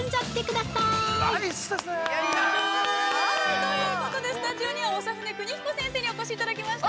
◆ということで、スタジオには長船クニヒコ先生にお越しいただきました。